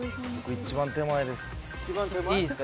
一番手前です。